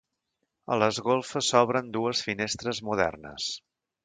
A les golfes s'obren dues finestres modernes.